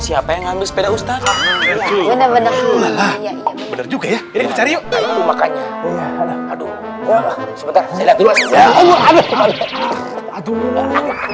siapa yang ngambil sepeda ustadz bener bener bener juga ya ini cari makanya aduh aduh aduh